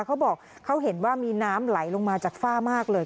เขาบอกเขาเห็นว่ามีน้ำไหลลงมาจากฝ้ามากเลย